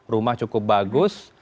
rumah cukup bagus